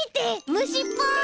むしっぽい！